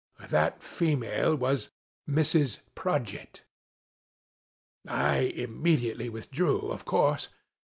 " That female was Mrs. Prodgit. I immediately withdrew, of course.